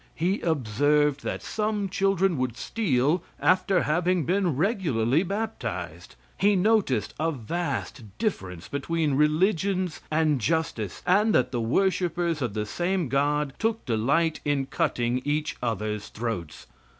He observed that some children would steal after having been regularly baptized. He noticed a vast difference between religions and justice, and that the worshipers of the same God took delight in cutting each other's throats.